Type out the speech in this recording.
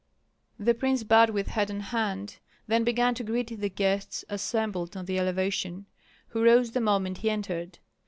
The prince bowed with head and hand, then began to greet the guests assembled on the elevation, who rose the moment he entered.